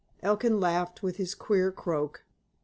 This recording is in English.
Elkin laughed, with his queer croak.